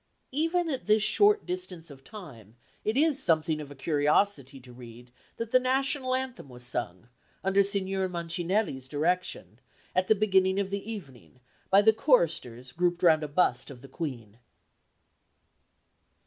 Even at this short distance of time it is something of a curiosity to read that the National Anthem was sung, under Signor Mancinelli's direction, at the beginning of the evening by the choristers grouped round a bust of the Queen.